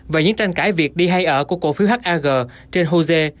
và những tranh cãi việc đi hay ở của cổ phiếu hag trên hosea